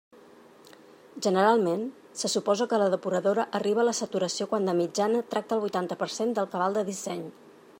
Generalment, se suposa que la depuradora arriba a la saturació quan de mitjana tracta el vuitanta per cent del cabal de disseny.